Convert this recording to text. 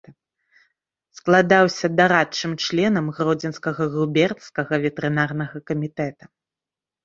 Складаўся дарадчым членам гродзенскага губернскага ветэрынарнага камітэта.